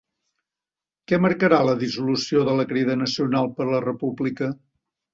Què marcarà la dissolució de la Crida Nacional per la República?